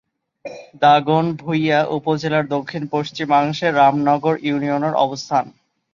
দাগনভূঞা উপজেলার দক্ষিণ-পশ্চিমাংশে রামনগর ইউনিয়নের অবস্থান।